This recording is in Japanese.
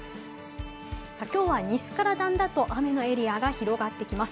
きょうは西から段々と雨のエリアが広がってきます。